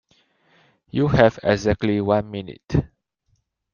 You have exactly one minute.